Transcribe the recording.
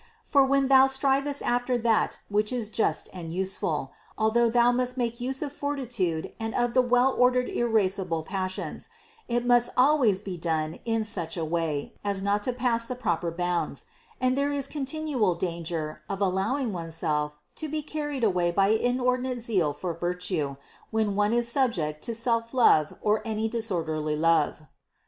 For when thou strivest after that which is just and useful, al though thou must make use of fortitude and of the well ordered irascible passions, it must always be done in such a way as not to pass the proper bounds ; and there is continual danger of allowing oneself to be carried away by inordinate zeal for virtue, when one is subject to self love or any disorderly love.